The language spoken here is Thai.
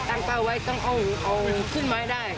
ตั้งเท่าไว้ต้องเอาขึ้นไม้ได้